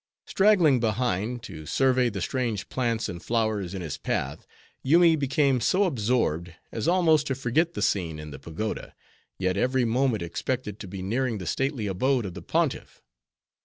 Straggling behind, to survey the strange plants and flowers in his path, Yoomy became so absorbed, as almost to forget the scene in the pagoda; yet every moment expected to be nearing the stately abode of the Pontiff.